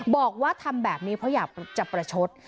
บอกว่าทำแบบนี้เพราะอยากจะประชด